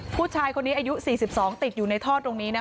ผู้ชายคนนี้อายุ๔๒ติดอยู่ในท่อตรงนี้นะคะ